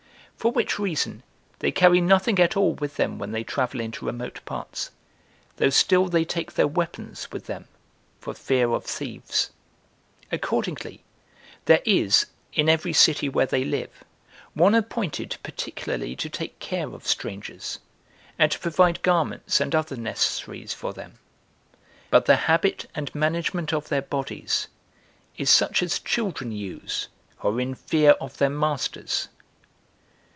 For which reason they carry nothing at all with them when they travel into remote parts, though still they take their weapons with them, for fear of thieves. Accordingly, there is, in every city where they live, one appointed particularly to take care of strangers, and to provide garments and other necessaries for them. But the habit and management of their bodies is such as children use who are in fear of their masters.